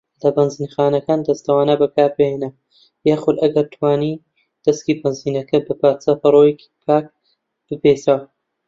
لە بەنزینخانەکان، دەستەوانە بەکاربهینە یاخود ئەگەر توانیت دەسکی بەنزینەکە بە پارچە پەڕۆیەکی پاک بپێچە.